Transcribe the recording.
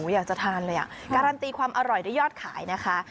อยากจะทานเลยอ่ะการันตีความอร่อยด้วยยอดขายนะคะ